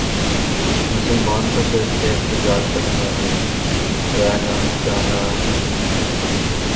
مسلمان تو صرف احتجاج تک محدود رہنا جانا ہونا